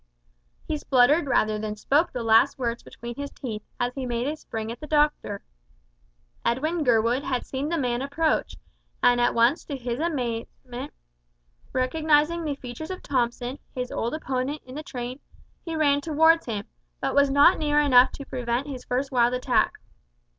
He spluttered rather than spoke the last words between his teeth, as he made a spring at the doctor. Edwin Gurwood had seen the man approach, and at once to his amazement recognising the features of Thomson, his old opponent in the train, he ran towards him, but was not near enough to prevent his first wild attack.